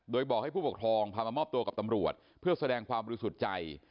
โดยบอกให้ผู้ปกครองพามามอบตัวกับตำรวจเพื่อแสดงความบริสุทธิ์ใจ